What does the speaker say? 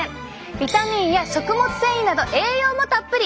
ビタミンや食物繊維など栄養もたっぷり。